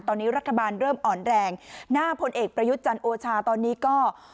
ตอนนี้รัฐบาลเริ่มอ่อนแรงหน้าพลเอกประยุทธ์จันทร์โอชาตอนนี้ก็